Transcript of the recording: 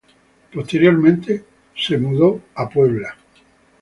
Posteriormente se mudó a Arizona.